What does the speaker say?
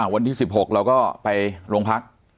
วันที่๑๖เราก็ไปโรงพัก